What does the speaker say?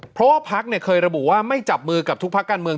เพราะว่าพักเคยระบุว่าไม่จับมือกับทุกพักการเมือง